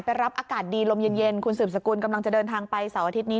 รับอากาศดีลมเย็นคุณสืบสกุลกำลังจะเดินทางไปเสาร์อาทิตย์นี้